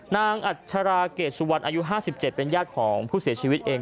อัชราเกรดสุวรรณอายุ๕๗เป็นญาติของผู้เสียชีวิตเอง